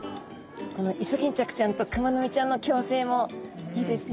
このイソギンチャクちゃんとクマノミちゃんの共生もいいですね